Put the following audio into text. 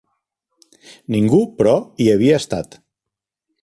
Ningú, però, hi havia estat.